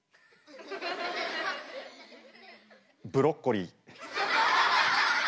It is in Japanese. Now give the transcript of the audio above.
ブロッコリー。